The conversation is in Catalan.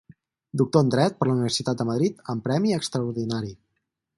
Doctor en Dret per la Universitat de Madrid amb premi extraordinari.